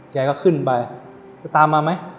แกก็ขึ้นไปจะตามมาไหม